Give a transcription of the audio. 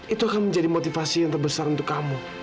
itu akan menjadi motivasi yang terbesar untuk kamu